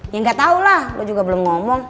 ya enggak tahu lah lu juga belum ngomong